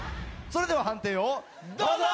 それでは判定をどうぞ！